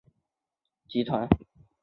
海外子公司参见日清食品集团。